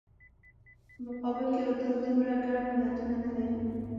په مقابل کې اردن دومره ګڼ ملتونه نه لري.